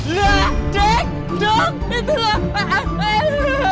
dek duk itu apaan